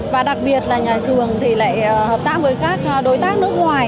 và đặc biệt là nhà trường thì lại hợp tác với các đối tác nước ngoài